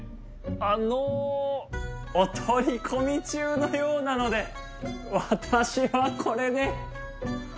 あのお取り込み中のようなので私はこれで。